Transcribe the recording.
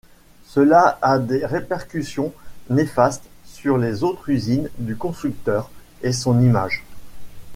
Cela a des répercussions néfastes sur les autres usines du constructeur, et son image.